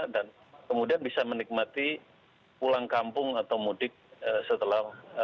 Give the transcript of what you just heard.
dan kemudian bisa menikmati pulang kampung atau mudik setelah